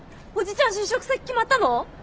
おじちゃん就職先決まったの？